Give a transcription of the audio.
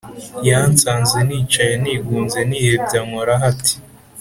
yansanze nicaye nigunze nihebye ankoraho ati :